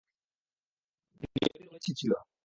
নিয়তির অন্য ইচ্ছে ছিল।